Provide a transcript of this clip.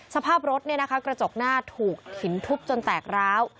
สภาพรถกระจกหน้าถูกหินทุบจนแตกร้าว